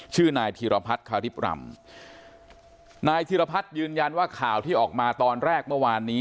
ชื่อนายธีรพัฒน์คาริปรำนายธิรพัฒน์ยืนยันว่าข่าวที่ออกมาตอนแรกเมื่อวานนี้